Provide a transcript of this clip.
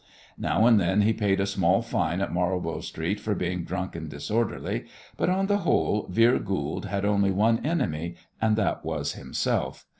Now and then he paid a small fine at Marlborough Street for being "drunk and disorderly," but on the whole Vere Goold had only one enemy, and that was himself.